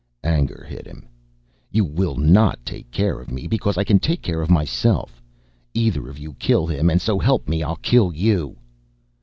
Anger hit him. "You will NOT take care of me because I can take care of myself. Either of you kill him and so help me I'll kill you."